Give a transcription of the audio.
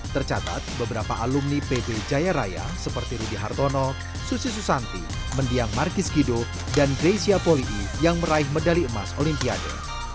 tercatat beberapa alumni pb jaya raya seperti rudy hartono susi susanti mendiang markis kido dan greysia poli yang meraih medali emas olimpiade